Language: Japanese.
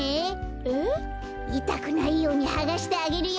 えっ？いたくないようにはがしてあげるよ。